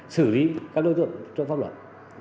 sử lý các đối tượng trong pháp luật